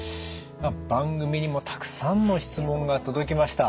番組にもたくさんの質問が届きました。